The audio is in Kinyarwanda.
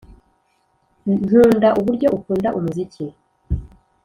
nkunda uburyo ukunda umuziki